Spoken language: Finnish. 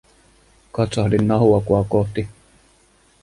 Katsahdin Nahuakoa kohti.